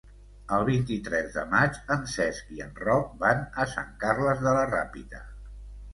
El vint-i-tres de maig en Cesc i en Roc van a Sant Carles de la Ràpita.